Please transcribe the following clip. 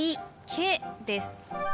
「け」です。